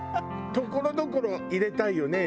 ところどころ入れたいよね